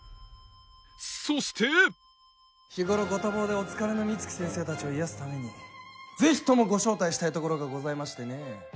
そして日頃ご多忙でお疲れの美月先生たちを癒やすためにぜひともご招待したい所がございましてね。